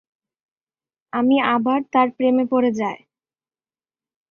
আমি আবার তার প্রেমে পড়ে যায়।